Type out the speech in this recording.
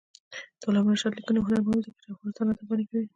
د علامه رشاد لیکنی هنر مهم دی ځکه چې افغانستان ادب غني کوي.